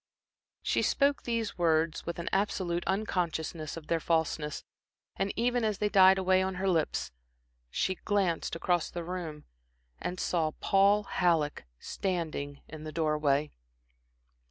She spoke these words with an absolute unconsciousness of their falseness; and even as they died away on her lips, she glanced across the room and saw Paul Halleck standing in the door way.